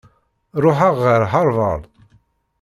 Ṛuḥeɣ ɣer Harvard.